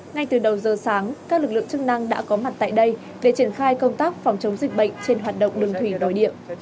ngay từ đầu giờ sáng các lực lượng chức năng đã có mặt tại đây để triển khai công tác phòng chống dịch bệnh trên hoạt động đường thủy nội địa